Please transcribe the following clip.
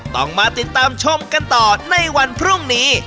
ต้องมาติดตามชมกันต่อในวันพรุ่งนี้